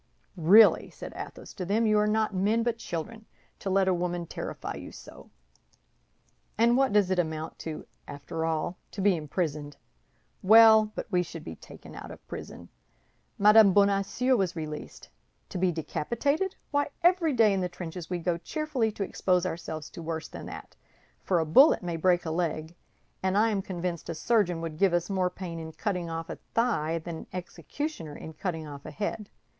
"Really," said Athos to them, "you are not men but children, to let a woman terrify you so! And what does it amount to, after all? To be imprisoned. Well, but we should be taken out of prison; Madame Bonacieux was released. To be decapitated? Why, every day in the trenches we go cheerfully to expose ourselves to worse than that—for a bullet may break a leg, and I am convinced a surgeon would give us more pain in cutting off a thigh than an executioner in cutting off a head.